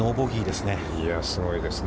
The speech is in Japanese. すごいですね。